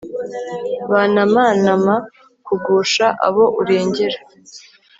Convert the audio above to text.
banamanama kugusha abo urengera